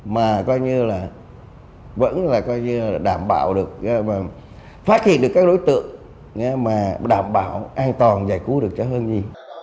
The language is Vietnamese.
mà coi như là vẫn là coi như là đảm bảo được phát hiện được các đối tượng mà đảm bảo an toàn giải cứu được cho hướng di